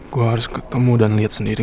gue harus ketemu dan lihat sendiri